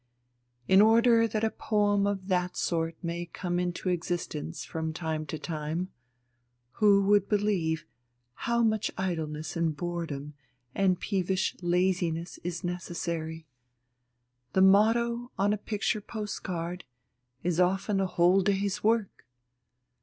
In order that a poem of that sort may come into existence from time to time who would believe how much idleness and boredom and peevish laziness is necessary? The motto on a picture postcard is often a whole day's work.